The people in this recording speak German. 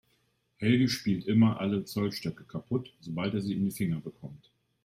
Helge spielt immer alle Zollstöcke kaputt, sobald er sie in die Finger bekommt.